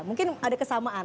mungkin ada kesamaan